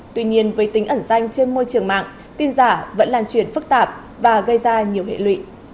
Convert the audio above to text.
tuy nhiên với tính ẩn danh trên môi trường mạng tin giả vẫn lan truyền phức tạp và gây ra nhiều hệ lụy